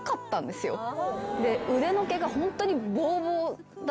で腕の毛がホントにボーボーだったんですね。